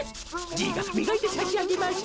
じいがみがいてさしあげましょう。